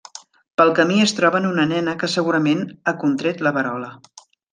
Pel camí es troben una nena que segurament ha contret la verola.